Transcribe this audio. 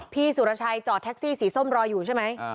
สุรชัยจอดแท็กซี่สีส้มรออยู่ใช่ไหม